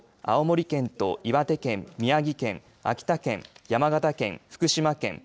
青森県と岩手県、宮城県秋田県、山形県、福島県